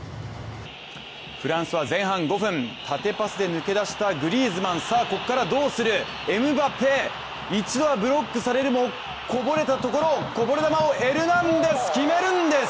フランスは前半５分、縦パスで抜け出したグリーズマンどうする、一度はブロックされるも、こぼれたところをこぼれ球をエルナンデス、決めるんです！